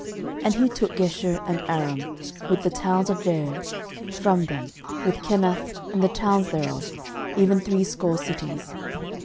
13:002:023 And he took Geshur, and Aram, with the towns of Jair, from them, with Kenath, and the towns thereof, even threescore cities.